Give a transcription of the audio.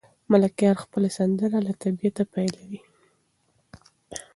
ملکیار خپله سندره له طبیعته پیلوي.